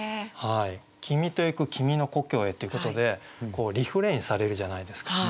「君とゆく君の故郷へ」ということでこうリフレインされるじゃないですか。